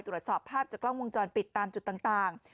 ตรวจสอบภาพจากกล้องวงจรปิดตามจุดต่าง